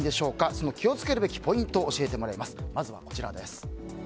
その気を付けるべきポイントを教えてもらいます。